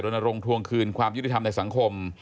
ลงทวงคืนความยุติธรรมในสังคม